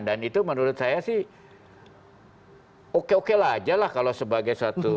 itu menurut saya sih oke oke lah aja lah kalau sebagai suatu